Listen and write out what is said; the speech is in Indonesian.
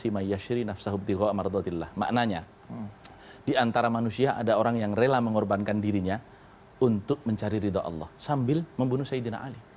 di antara manusia ada orang yang rela mengorbankan dirinya untuk mencari ridho allah sambil membunuh sayyidina ali